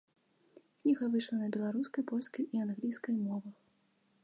Кніга выйшла на беларускай, польскай і англійскай мовах.